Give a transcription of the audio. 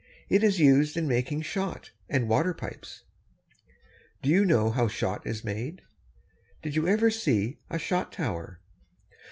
It is used in making shot, and water pipes. Do you know how shot is made? Did you ever see a shot tower?